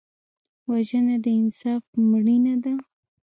وژنه د انصاف مړینه ده